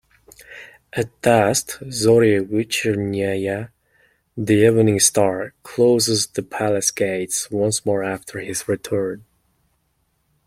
At dusk, Zorya Vechernyaya—the Evening Star—closes the palace gates once more after his return.